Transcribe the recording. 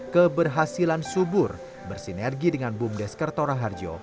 keberhasilan subur bersinergi dengan bumdes kertora harjo